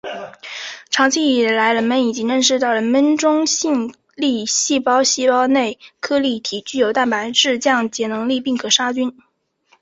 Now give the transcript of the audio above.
长期以来人们已经认识到人类中性粒细胞细胞内颗粒体具有蛋白质降解能力并可杀菌。